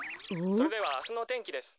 「それではあすのてんきです」。